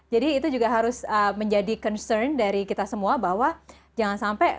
jadi itu juga harus menjadi concern dari kita semua bahwa jangan sampai